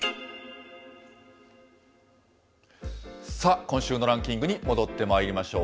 さあ、今週のランキングに戻ってまいりましょう。